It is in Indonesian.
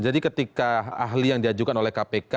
jadi ketika ahli yang diajukan oleh kpk